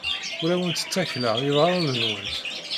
Ur awent-ttakleɣ iḍarren-nwent.